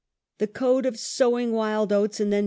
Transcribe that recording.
The code of " sowing wild oats " and then i.